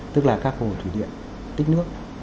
tức là các hồ thủy điện tích nước